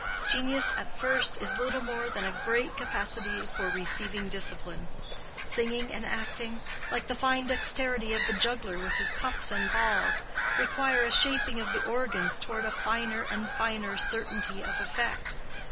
Genius at first is little more than a great capacity for receiving discipline. Singing and acting, like the fine dexterity of the juggler with his cups and balls, require a shaping of the organs toward a finer and finer certainty of effect.